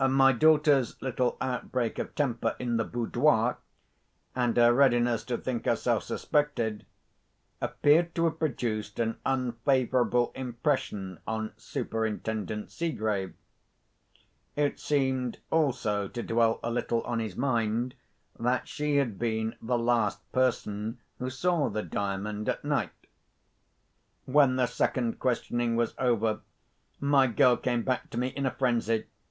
My daughter's little outbreak of temper in the "boudoir," and her readiness to think herself suspected, appeared to have produced an unfavourable impression on Superintendent Seegrave. It seemed also to dwell a little on his mind, that she had been the last person who saw the Diamond at night. When the second questioning was over, my girl came back to me in a frenzy.